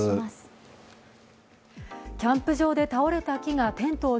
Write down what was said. キャンプ場で倒れた木が風で転倒。